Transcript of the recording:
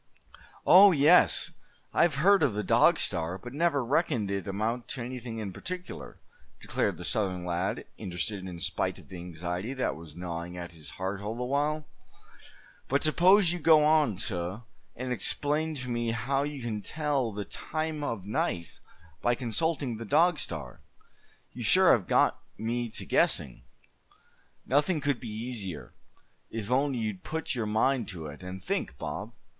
"Oh! yes, I've heard of the Dog Star, but never reckoned it amounted to anything in particular," declared the Southern lad, interested, in spite of the anxiety that was gnawing at his heart all the while; "but suppose you go on, suh, and explain to me how you can tell the time of night by consulting the Dog Star. You sure have got me to guessing." "Nothing could be easier, if only you'd put your mind to it, and think, Bob?"